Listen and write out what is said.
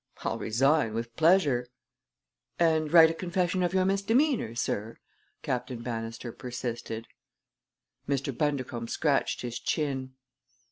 I'll resign, with pleasure!" "And write a confession of your misdemeanor, sir?" Captain Bannister persisted. Mr. Bundercombe scratched his chin.